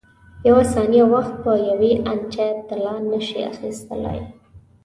یوه ثانیه وخت په یوې انچه طلا نه شې اخیستلای.